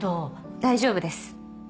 大丈夫です。